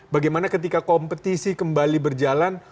bagaimana ketika kompetisi kembali berjalan